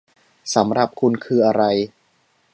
สำหรับคุณคืออะไร ?